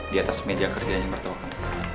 diatas media kerja yang mertua kami